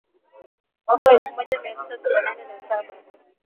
Mwaka wa elfu moja mia tisa themanini na saba